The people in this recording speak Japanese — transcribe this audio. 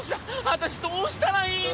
私どうしたらいいの？